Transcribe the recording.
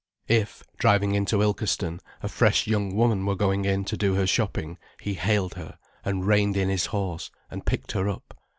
If, driving into Ilkeston, a fresh young woman were going in to do her shopping, he hailed her, and reined in his horse, and picked her up.